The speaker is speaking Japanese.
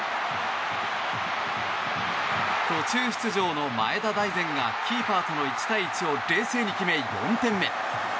途中出場の前田大然がキーパーとの１対１を冷静に決め、４点目。